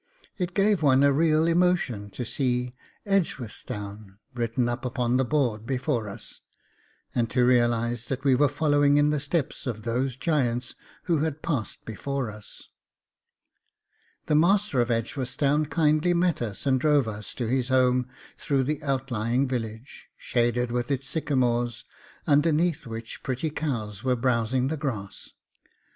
It gave one a real emotion to see EDGEWORTHSTOWN written up on the board before us, and to realise that we were following in the steps of those giants who had passed before us. The master of Edgeworthstown kindly met us and drove us to his home through the outlying village, shaded with its sycamores, underneath which pretty cows were browsing the grass.